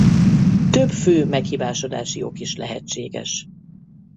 Több fő meghibásodási ok is lehetséges.